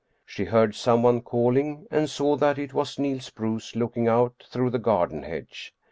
She heard some one calling and saw that it was Niels Bruus looking out through the garden hedge.